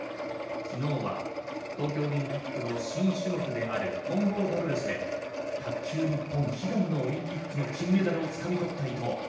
昨日は東京オリンピックの新種目である混合ダブルスで卓球、日本悲願のオリンピックの金メダルを掴み取った伊藤。